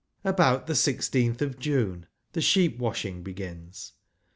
About the sixteenth of June tlie sheep washing begins.